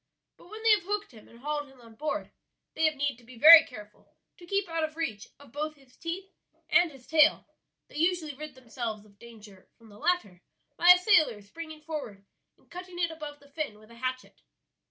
But when they have hooked him and hauled him on board they have need to be very careful to keep out of reach of both his teeth and his tail; they usually rid themselves of danger from the latter by a sailor springing forward and cutting it above the fin with a hatchet.